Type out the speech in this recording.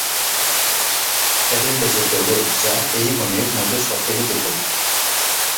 এদের লেজের দৈর্ঘ্য যা এই গণের মধ্যে সব থেকে দীর্ঘ।